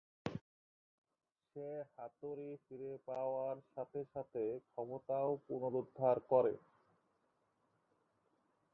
সে হাতুড়ি ফিরে পাওয়ার সাথে সাথে ক্ষমতাও পুনরুদ্ধার করে।